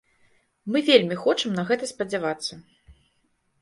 Мы вельмі хочам на гэта спадзявацца.